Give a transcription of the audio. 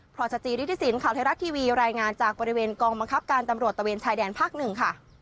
พรสจิริฐศิลป์ข่าวไทยรัฐทีวีรายงานจากบริเวณกองบังคับการตำรวจตะเวนชายแดนภาคหนึ่งค่ะ